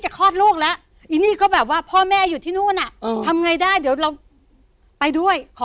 ก็ยืนไปยืนมาสักพัก